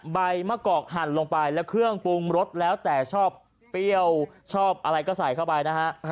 ใบมะกอกหั่นลงไปแล้วเครื่องปรุงรสแล้วแต่ชอบเปรี้ยวชอบอะไรก็ใส่เข้าไปนะฮะ